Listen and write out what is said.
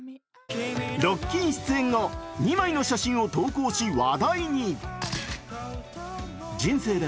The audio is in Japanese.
ロッキン出演後、２枚の写真を投稿し、話題に。